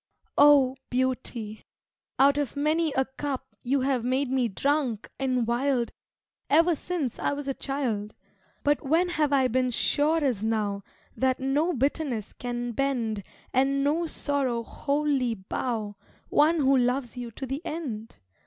O Beauty, out of many a cup You have made me drunk and wild Ever since I was a child, But when have I been sure as now That no bitterness can bend And no sorrow wholly bow One who loves you to the end?